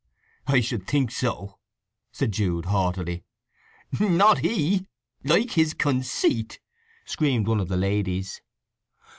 "I should think so!" said Jude haughtily. "Not he! Like his conceit!" screamed one of the ladies.